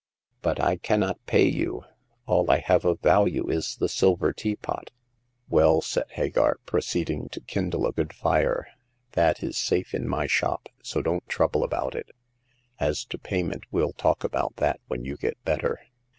" But I cannot pay you. All I have of value is the silver teapot." "Well," said Hagar, proceeding to kindle a good fire, "that is safe in my shop, so don't trouble about it. As to payment, well talk about that when you get better."